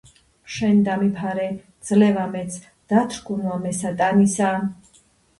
შენ დამიფარე, ძლევა მეც დათრგუნვად მე სატანისა,